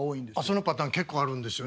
そのパターン結構あるんですよね。